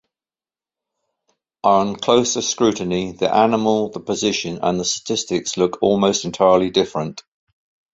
On closer scrutiny the animal, the position, and the statistics look almost entirely different.